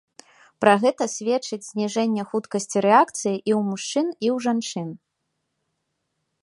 Пра гэта сведчыць зніжэнне хуткасці рэакцыі і ў мужчын, і ў жанчын.